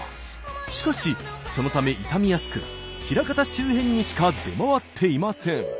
しかしそのため傷みやすく枚方周辺にしか出回っていません。